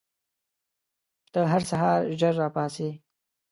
ته هر سهار ژر راپاڅې؟